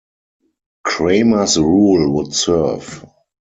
Cramer's rule would serve.